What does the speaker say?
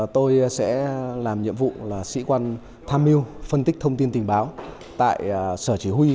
tôi sẽ làm nhiệm vụ là sĩ quan tham mưu phân tích thông tin tình báo tại sở chỉ huy